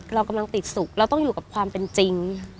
เรากำลังติดสุขเราต้องอยู่กับความเป็นจริง